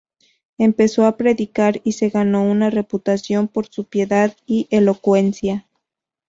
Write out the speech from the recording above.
Empezó a predicar, y se ganó una reputación por su piedad y elocuencia.